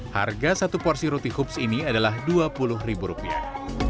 harga satu porsi roti hoops ini adalah dua puluh ribu rupiah